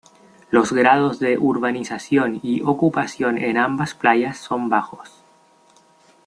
Los grados de urbanización y ocupación en ambas playas son bajos.